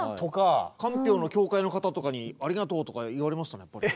かんぴょうの協会の方とかに「ありがとう」とか言われましたね。